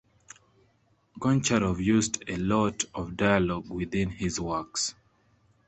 Goncharov used a lot of dialogue within his works.